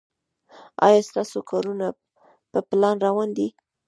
ایا ستاسو کارونه په پلان روان دي؟